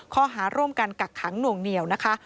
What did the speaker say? ข้อหาร่วมกันกักขังหน่วงเหนียวนะคะ